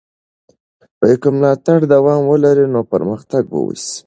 که ملاتړ دوام ولري نو پرمختګ به وسي.